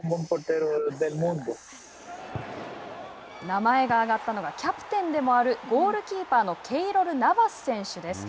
名前が挙がったのがキャプテンでもあるゴールキーパーのケイロル・ナバス選手です。